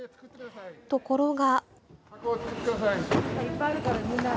ところが。